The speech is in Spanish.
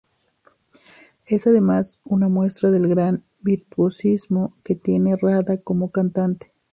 Es además una muestra del gran virtuosismo que tiene Rada como cantante.